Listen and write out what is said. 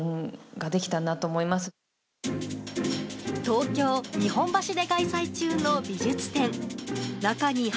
東京・日本橋で開催中の美術展。